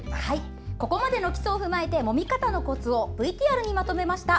ここまでの基礎を踏まえてもみ方のコツをＶＴＲにまとめました。